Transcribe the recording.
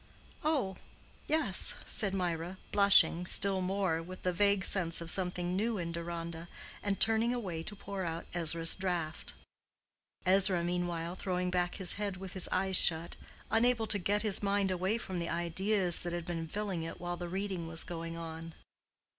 "Oh, yes," said Mirah, blushing still more, with the vague sense of something new in Deronda, and turning away to pour out Ezra's draught; Ezra meanwhile throwing back his head with his eyes shut, unable to get his mind away from the ideas that had been filling it while the reading was going on.